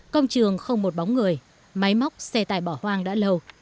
công trường không một bóng người máy móc xe tải bỏ hoang đã lâu